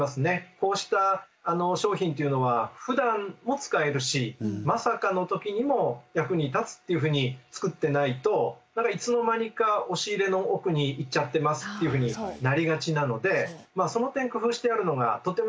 こうした商品っていうのはふだんも使えるしまさかの時にも役に立つっていうふうに作ってないと何かいつの間にか押し入れの奥に行っちゃってますっていうふうになりがちなのでその点工夫してあるのがとてもいいなと思いました。